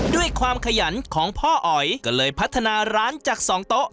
ด้วยความขยันของพ่ออ๋อยก็เลยพัฒนาร้านจากสองโต๊ะ